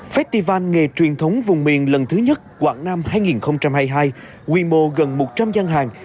festival nghề truyền thống vùng miền lần thứ nhất quảng nam hai nghìn hai mươi hai quy mô gần một trăm linh gian hàng